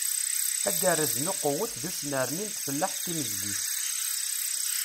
Agerrez n uqewwet d usnerni n tfellaḥt timezgit.